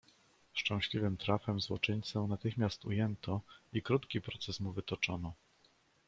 "Szczęśliwym trafem złoczyńcę natychmiast ujęto i krótki proces mu wytoczono."